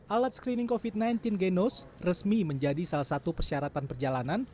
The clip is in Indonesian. alat screening covid sembilan belas genos resmi menjadi salah satu persyaratan perjalanan